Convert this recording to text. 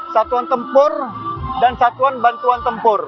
satuan tempur dan satuan bantuan tempur